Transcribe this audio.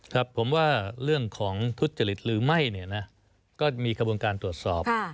ครับผมว่าเรื่องของทุจริตหรือไม่เนี่ยนะก็มีกระบวนการตรวจสอบ